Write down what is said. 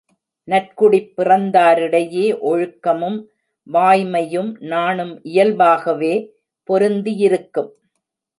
நற்குடிப் பிறந்தாரிடையே ஒழுக்கமும், வாய்மை யும், நாணும் இயல்பாகவே பொருந்தியிருக்கும்.